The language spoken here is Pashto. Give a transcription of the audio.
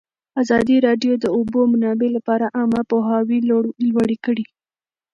ازادي راډیو د د اوبو منابع لپاره عامه پوهاوي لوړ کړی.